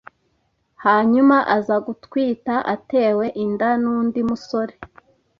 Hanyuma aza gutwita atewe inda n’undi musore